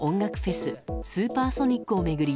スーパーソニックを巡り